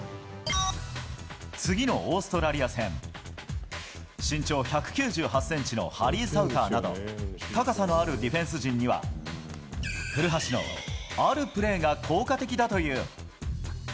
次のオーストラリア戦身長１９８ｃｍのハリー・サウターなど高さのあるディフェンス陣には古橋のあるプレーが効果的だという。